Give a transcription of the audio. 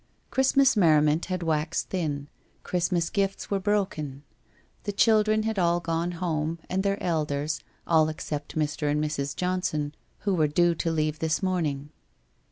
Christmas merriment had waxed thin. Christmas gifts were broken. The children had all gone home, and their elders, all except Mr. and Mrs. Johnson, who were due to leave this morning.